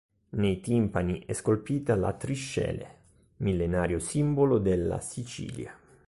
Nei timpani è scolpita la Triscele, millenario simbolo della Sicilia.